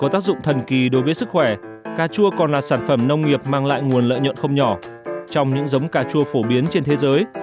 trong những giống cà chua phổ biến trên thế giới